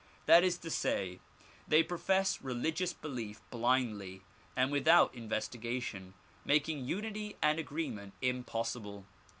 That is to say they profess religious belief blindly and without investigation, making unity and agreement impossible.